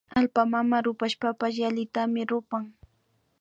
Allpa mama rupashpapash yallitami rupan